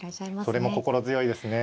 それも心強いですね。